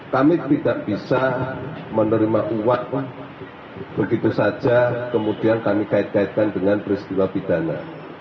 kami tidak bisa menerima uang begitu saja kemudian kami kait kaitkan dengan peristiwa pidana